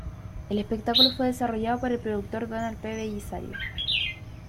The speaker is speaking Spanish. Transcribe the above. El espectáculo fue desarrollado por el productor Donald P. Bellisario.